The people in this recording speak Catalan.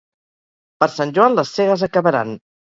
Per Sant Joan les segues acabaran.